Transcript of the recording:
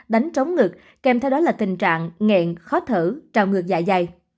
đánh trống ngực kèm theo đó là tình trạng nghẹn khó thở trào ngược dài dài